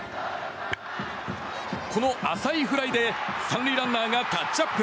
この浅いフライで３塁ランナーがタッチアップ。